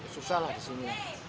susah lah di sini